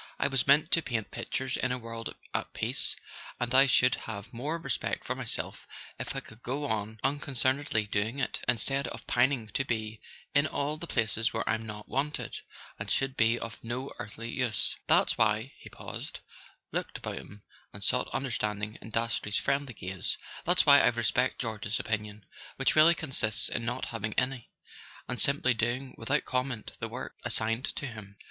I was meant to paint pictures in a world at peace, and I should have more respect for myself if I could go on unconcernedly doing it, instead of pining to be in all the places where I'm not wanted, and should be of no earthly use. That's why— " he paused, looked about him, and sought understanding in Dastrey's friendly gaze: "That's why I respect George's opinion, which really consists in not having any, and simply doing without comment the work assigned to him.